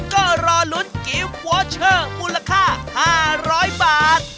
ก็รอลุ้นกิฟต์วอเชอร์มูลค่า๕๐๐บาท